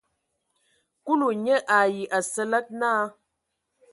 Kulu nye ai Asǝlǝg naa.